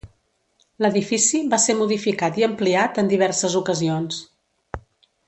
L'edifici va ser modificat i ampliat en diverses ocasions.